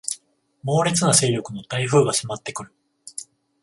猛烈な勢力の台風が迫ってくる